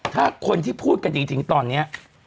ถ้าคนที่พูดกันจริงตอนนี้